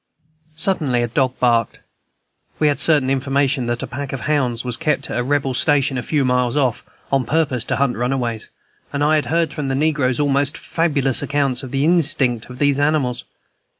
Suddenly a dog barked. We had certain information that a pack of hounds was kept at a Rebel station a few miles off, on purpose to hunt runaways, and I had heard from the negroes almost fabulous accounts of the instinct of these animals.